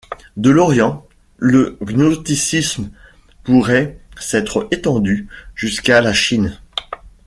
De l’Orient, le gnosticisme pourrait s'être étendu jusqu’à la Chine.